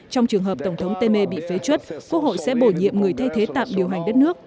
trong trường hợp tổng thống temer bị phế chuất quốc hội sẽ bổ nhiệm người thay thế tạm điều hành đất nước